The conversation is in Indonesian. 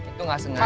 itu gak sengaja pak